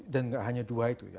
dan nggak hanya dua itu ya